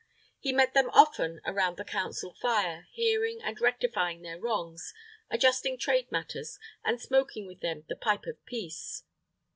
He met them often around the Council fire, hearing and rectifying their wrongs, adjusting trade matters, and smoking with them the Pipe of Peace.